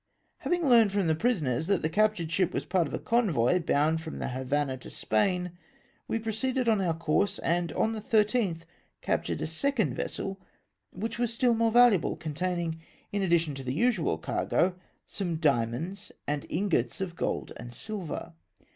Having learned from the prisoners that the captured ship was part of a convoy bound from the Havannah to Spain, we proceeded on our course, and on the 1 3th captured a second vessel, which was still more valuable, containing, in addition to the usual cargo, some dia monds, and ingots of gold and silver.